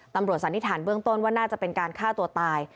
สันนิษฐานเบื้องต้นว่าน่าจะเป็นการฆ่าตัวตาย